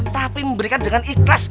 tapi memberikan dengan ikhlas